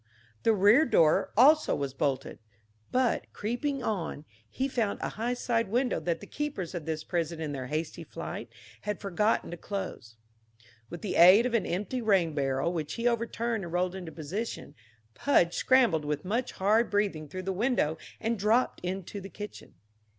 The rear door also was bolted; but, creeping on, he found a high side window that the keepers of this prison in their hasty flight had forgotten to close. With the aid of an empty rain barrel, which he overturned and rolled into position, Pudge scrambled with much hard breathing through the window and dropped into the kitchen.